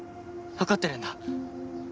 分かってるんだ